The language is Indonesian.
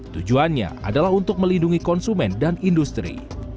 tujuannya adalah untuk melindungi konsumen dan industri